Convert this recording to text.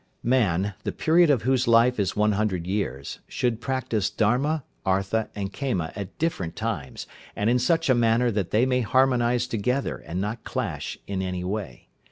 Man, the period of whose life is one hundred years, should practise Dharma, Artha, and Kama at different times and in such a manner that they may harmonize together and not clash in any way.